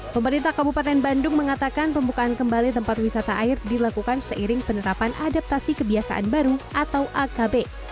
pemerintah kabupaten bandung mengatakan pembukaan kembali tempat wisata air dilakukan seiring penerapan adaptasi kebiasaan baru atau akb